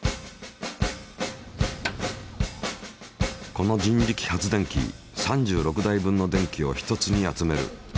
この人力発電機３６台分の電気を一つに集める。